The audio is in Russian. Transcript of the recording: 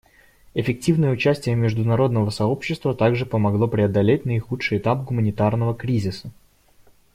Эффективное участие международного сообщества также помогло преодолеть наихудший этап гуманитарного кризиса.